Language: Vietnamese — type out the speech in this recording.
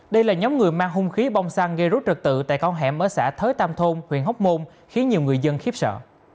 đây là nhóm người mang hung khí bong xăng gây rút trật tự tại con hẻm ở xã thới tam thôn huyện hóc môn khiến nhiều người dân khiếp sợ